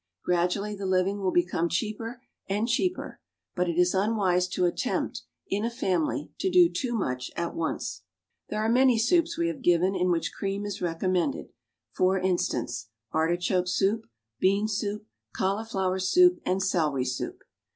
Gradually the living will become cheaper and cheaper; but it is unwise to attempt, in a family, to do too much at once. There are many soups we have given in which cream is recommended; for instance, artichoke soup, bean soup, cauliflower soup, and celery soup.